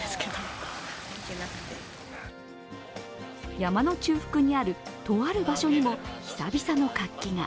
山の中腹にある、とある場所にも久々の活気が。